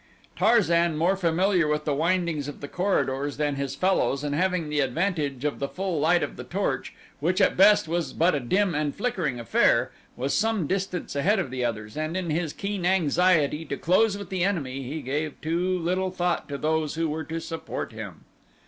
Tarzan, more familiar with the windings of the corridors than his fellows and having the advantage of the full light of the torch, which at best was but a dim and flickering affair, was some distance ahead of the others, and in his keen anxiety to close with the enemy he gave too little thought to those who were to support him.